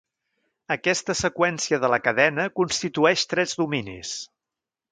Aquesta seqüència de la cadena constitueix tres dominis.